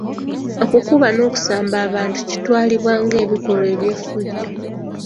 Okukuba n'okusamba abantu kitwalibwa ng'ebikolwa by'effujjo.